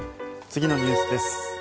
次のニュースです。